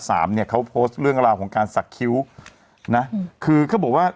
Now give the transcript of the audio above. เนี่ยเขาโพสต์เรื่องราวของการสักคิ้วนะคือเขาบอกว่า